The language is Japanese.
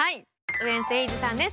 ウエンツ瑛士さんです。